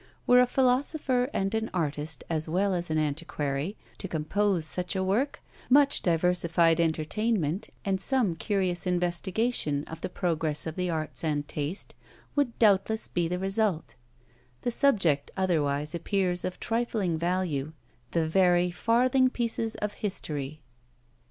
Were a philosopher and an artist, as well as an antiquary, to compose such a work, much diversified entertainment, and some curious investigation of the progress of the arts and taste, would doubtless be the result; the subject otherwise appears of trifling value; the very farthing pieces of history.